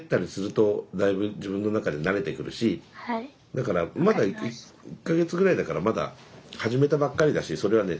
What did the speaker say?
だからまだ１か月ぐらいだからまだ始めたばっかりだしそれはね